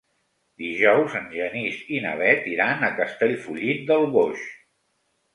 Dijous en Genís i na Bet iran a Castellfollit del Boix.